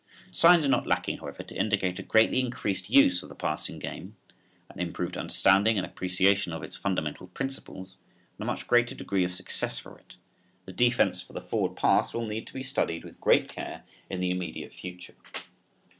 Signs are not lacking, however, to indicate a greatly increased use of the passing game, an improved understanding and appreciation of its fundamental principles and a much greater degree of success for it. The defense for the forward pass will need to be studied with great care in the immediate future.